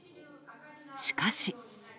しかし。